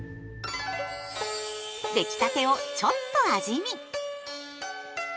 出来たてをちょっと味見。